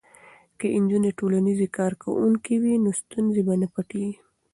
که نجونې ټولنیزې کارکوونکې وي نو ستونزې به نه پټیږي.